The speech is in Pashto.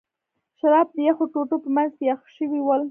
شراب د یخو ټوټو په منځ کې یخ شوي ول.